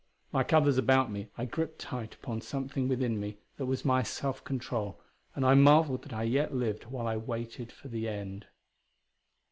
Like others about me, I gripped tight upon something within me that was my self control, and I marveled that I yet lived while I waited for the end.